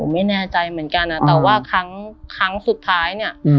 ไม่แน่ใจเหมือนกันแต่ว่าครั้งสุดท้ายเนี่ย